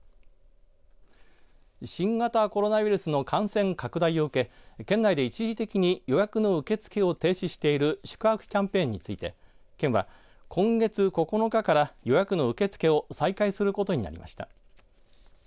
新型コロナウイルスの感染拡大を受け県内で一時的に予約の受け付けを停止している宿泊キャンペーンについて県は今月９日から予約の受け付けを再開することになりました。